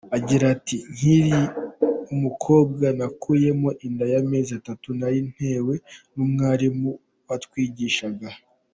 Agira ati “ Nkiri umukobwa nakuyemo inda y’amezi atatu nari natewe n’umwarimu watwigishaga.